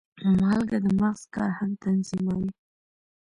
مالګه د مغز کار هم تنظیموي.